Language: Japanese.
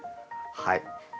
はい。